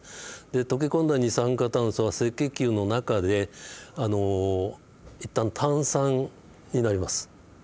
で溶け込んだ二酸化炭素は赤血球の中でいったん炭酸になります。